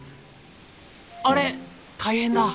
あれ大変だ。